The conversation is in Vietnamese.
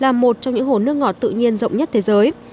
là một trong những hồ nước ngọt tự nhiên rộng nhất thế giới